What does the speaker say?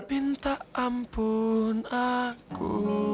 pinta ampun aku